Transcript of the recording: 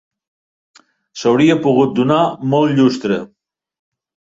S'hauria pogut donar molt llustre